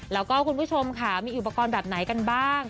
แล้วก็คุณผู้ชมค่ะมีอุปกรณ์แบบไหนกันบ้าง